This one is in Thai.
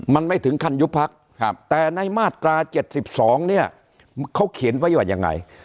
มันไม่ถึงขั้นยุบพักแต่ในมาตรา๗๒เนี่ยเขาเขียนไว้ว่ายังไง